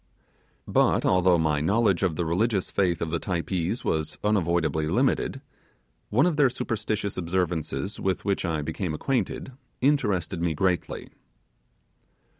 But, although my knowledge of the religious faith of the Typees was unavoidably limited, one of their superstitious observances with which I became acquainted interested me greatly.